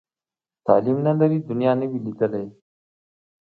تعلیم نه لري، دنیا نه وي لیدلې.